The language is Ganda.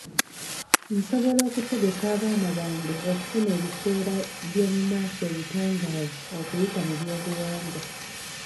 Nsobola okutegeka abaana bange okufuna ebiseera by'omu maaso ebitangaavu okuyita mu byobuwangwa.